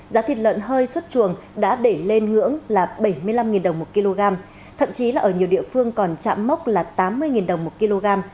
giá thịt lợn hơi xuất chuồng đã để lên ngưỡng là bảy mươi năm đồng một kg thậm chí là ở nhiều địa phương còn chạm mốc là tám mươi đồng một kg